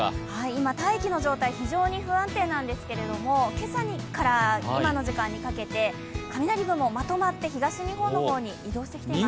今、大気の状態、非常に不安定なんですけれども、今朝から今の時間にかけて雷雲、まとまって東日本の方に移動してきています。